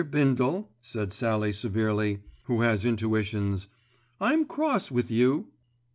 Bindle," said Sallie severely, who has intuitions, "I'm cross with you."